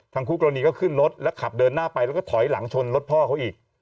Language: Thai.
คู่กรณีก็ขึ้นรถแล้วขับเดินหน้าไปแล้วก็ถอยหลังชนรถพ่อเขาอีก